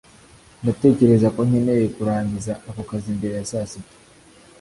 Ndatekereza ko nkeneye kurangiza ako kazi mbere ya saa sita